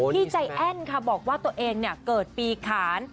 พี่ใจแอ้นค่ะบอกว่าตัวเองเกิดปีขาน